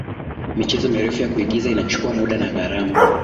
michezo mirefu ya kuigiza inachukua muda na gharama